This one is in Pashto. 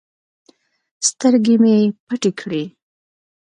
سترگې مې پټې کړې.